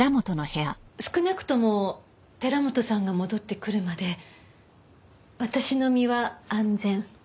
少なくとも寺本さんが戻ってくるまで私の身は安全。